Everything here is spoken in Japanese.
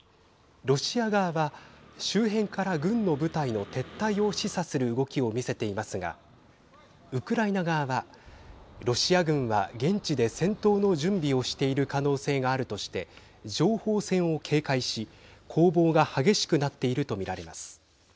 ロシア側は周辺から軍の部隊の撤退を示唆する動きを見せていますがウクライナ側は、ロシア軍は現地で戦闘の準備をしている可能性があるとして情報戦を警戒し攻防が激しくなっていると見られます。